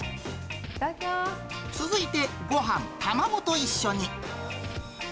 続いて、ごはん、卵と一緒に。